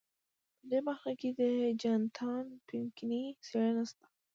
په دې برخه کې د جاناتان پینکني څېړنه شته.